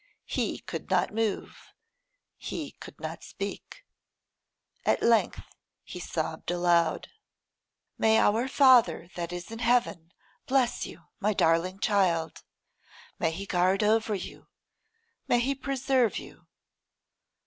He could not move; he could not speak. At length he sobbed aloud. 'May our Father that is in heaven bless you, my darling child; may He guard over you; may He preserve you!